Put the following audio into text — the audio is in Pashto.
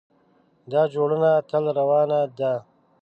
دا جوړونه تل روانه ده.